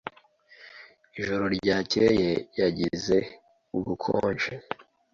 Ijoro ryakeye yagize ubukonje.